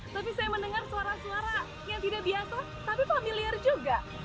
tapi saya mendengar suara suara yang tidak biasa tapi familiar juga